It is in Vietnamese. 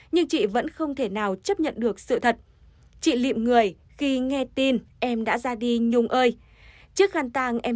ngày xưa chị trisi phương trinh lo cho em